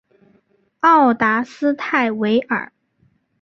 奥达斯泰韦尔。